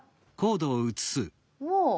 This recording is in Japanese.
もう。